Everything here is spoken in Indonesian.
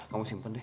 kamu simpen deh